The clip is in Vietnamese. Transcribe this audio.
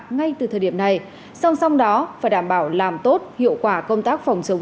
ngay từ thời điểm này song song đó phải đảm bảo làm tốt hiệu quả công tác phòng chống